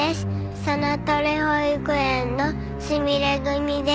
佐名鳥保育園のすみれ組です。